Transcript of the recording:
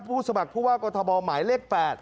ผู้สมัครผู้ว่ากรทมหมายเลข๘